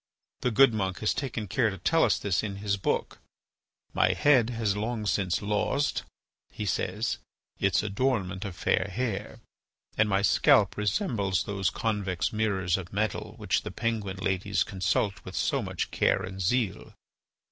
The good monk has taken care to tell us this in his book: "My head has long since lost," he says, "its adornment of fair hair, and my scalp resembles those convex mirrors of metal which the Penguin ladies consult with so much care and zeal.